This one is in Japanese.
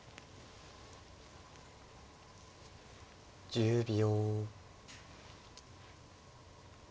１０秒。